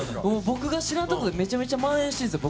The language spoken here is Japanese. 僕が知らんとこでめちゃめちゃまん延してるんですよ